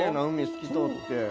透き通って。